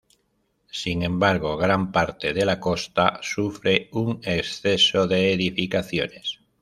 Sin embargo, gran parte de la costa sufre un exceso de edificaciones.